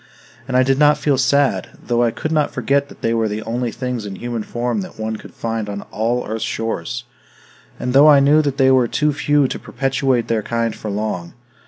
And I did not feel sad, though I could not forget that they were the only things in human form that one could find on all earth's shores, and though I knew that they were too few to perpetuate their kind for long.